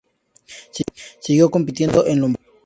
Siguió compitiendo en Lombardía.